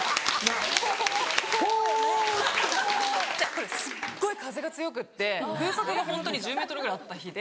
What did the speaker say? これすっごい風が強くって風速がホントに１０メートルぐらいあった日で。